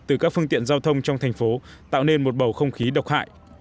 từ các phương tiện giao thông trong thành phố tạo nên một bầu không khí độc hại